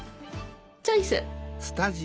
チョイス！